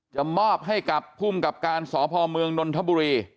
มอบให้กับภูมิกับการสพเมืองนนทบุรี